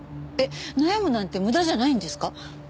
えっ悩むなんて無駄じゃないんですか？